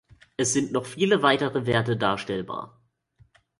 Es sind noch viele weitere Werte darstellbar.